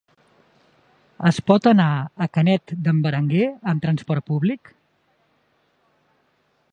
Es pot anar a Canet d'en Berenguer amb transport públic?